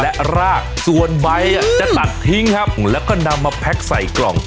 และรากส่วนใบจะตัดทิ้งครับแล้วก็นำมาแพ็คใส่กล่อง